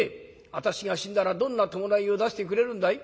私が死んだらどんな葬式を出してくれるんだい？」。